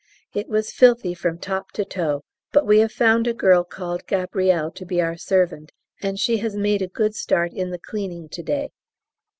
It was filthy from top to toe, but we have found a girl called Gabrielle to be our servant, and she has made a good start in the cleaning to day.